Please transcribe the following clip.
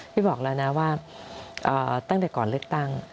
พี่บอกแล้วนะว่าตั้งแต่ก่อนเลือกตั้ง